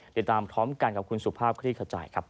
ติดตามพร้อมกันกับคุณสุภาพคลี่ขจายครับ